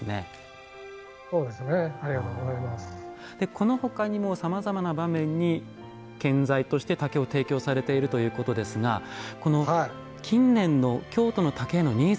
このほかにもさまざまな場面に建材として竹を提供されているということですがこの近年の京都の竹へのニーズの高まり